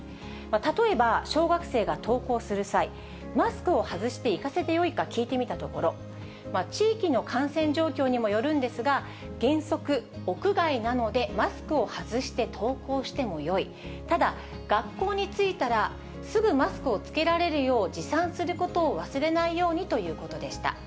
例えば、小学生が登校する際、マスクを外して行かせてよいか聞いてみたところ、地域の感染状況にもよるんですが、原則屋外なので、マスクを外して登校してもよい、ただ、学校に着いたらすぐマスクを着けられるよう、持参することを忘れないようにということでした。